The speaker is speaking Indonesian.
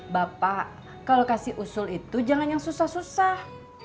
bapak kalau kasih usul itu jangan yang susah susah